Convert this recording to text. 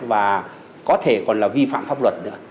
và có thể còn là vi phạm pháp luật nữa